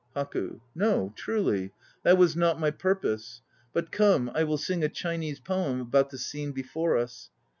HAKU. No, truly; that was not my purpose. But come, I will sing a Chinese poem about the scene before us.